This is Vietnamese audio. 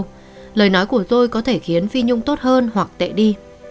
người nói của tôi có thể khiến phi nhung tốt hơn hoặc tệ đi